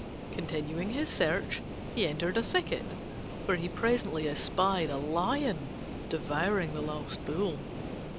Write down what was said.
Continuing his search, he entered a thicket, where he presently espied a lion devouring the lost Bull.